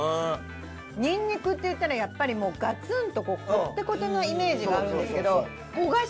にんにくっていったらやっぱりもうガツンとこうコテコテのイメージがあるんですけど焦がし